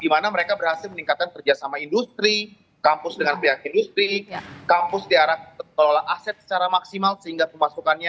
di mana mereka berhasil meningkatkan kerjasama industri kampus dengan pihak industri kampus di arah kelola aset secara maksimal sehingga pemasukannya